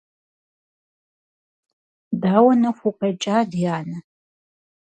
Дауэ нэху укъекӀа, ди анэ?